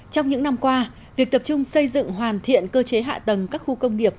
trong những năm qua việc tập trung xây dựng hoàn thiện cơ chế hạ tầng các khu công nghiệp